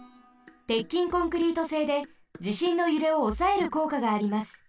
てっきんコンクリートせいでじしんのゆれをおさえるこうかがあります。